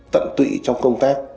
tận tụy trong công tác